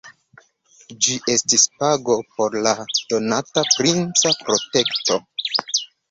Ĝi estis pago por la donata princa protekto.